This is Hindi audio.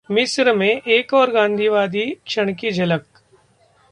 मिस्र में एक और गांधीवादी क्षण की झलक